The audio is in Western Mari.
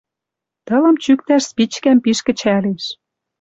Тылым чӱктӓш спичкӓм пиш кӹчӓлеш